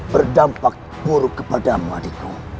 berdampak buruk kepada muadikku